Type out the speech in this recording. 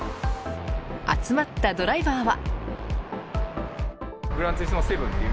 集まったドライバーは。